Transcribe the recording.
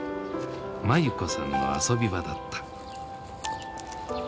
眞優子さんの遊び場だった。